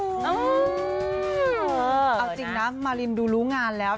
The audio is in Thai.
เอาจริงนะมาริมดูรู้งานแล้ว